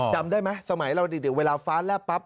จำได้ไหมสมัยเราเด็กเวลาฟ้าแลบปั๊บ